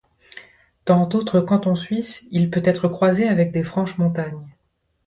Dans d'autres cantons suisses, il peut être croisé avec des Franches-Montagnes.